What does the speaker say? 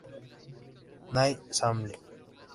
Ny Samling.